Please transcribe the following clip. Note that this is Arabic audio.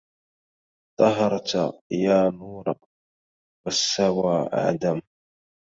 ظهرت يا نور والسوى عدم